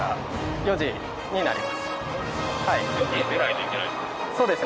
４時に出ないといけないんですか？